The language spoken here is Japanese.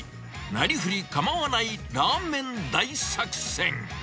なりふりかまわないラーメン大作戦。